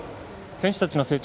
選手たちの成長